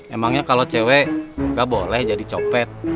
emangnya kalau cewek nggak boleh jadi copet